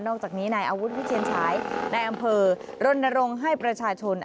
อกจากนี้นายอาวุธวิเชียนฉายในอำเภอรณรงค์ให้ประชาชน